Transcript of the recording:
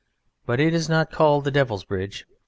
But it is not called the Devil's Bridge.